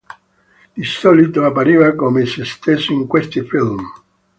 Di solito appariva come se stesso in questi film.